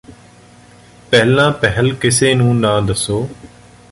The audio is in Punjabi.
ਪਹਿਲਾਂ ਪਹਿਲ ਕਿਸੇ ਨੂੰ ਨਾਂ ਦੱਸੋ